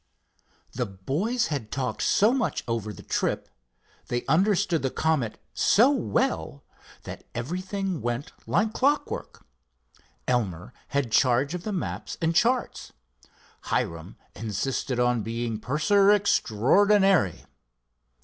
The boys had talked so much over the trip—they understood the Comet so well, that everything went like clockwork. Elmer had charge of the maps and charts. Hiram insisted on being purser extraordinary.